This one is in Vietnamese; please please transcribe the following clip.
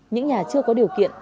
những nhà chưa có điều kiện